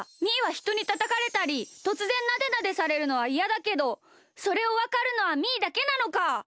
みーはひとにたたかれたりとつぜんなでなでされるのはいやだけどそれをわかるのはみーだけなのか！